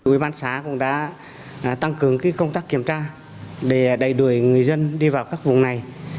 ubx cũng đã tăng cường công tác kiểm tra để đẩy đuổi người dân đi vào các vùng này